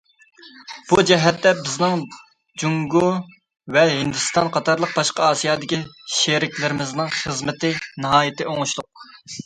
بۇ جەھەتتە بىزنىڭ جۇڭگو ۋە ھىندىستان قاتارلىق باشقا ئاسىيادىكى شېرىكلىرىمىزنىڭ خىزمىتى ناھايىتى ئوڭۇشلۇق.